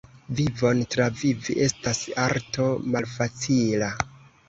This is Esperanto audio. Vivon travivi estas arto malfacila.